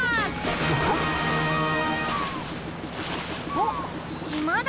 おっしまだ。